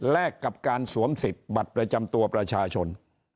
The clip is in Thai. กับการสวมสิทธิ์บัตรประจำตัวประชาชน